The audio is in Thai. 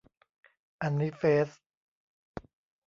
อันนี้เฟซ